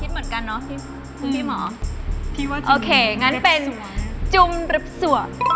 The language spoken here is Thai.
แม้งั้นมั่นใจตอบว่า